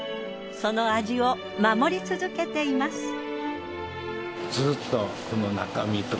その味を守り続けています。